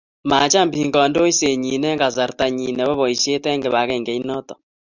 macham biik kandoishet nyi eng kasarta nyi nebo boishet eng kibagengeit noto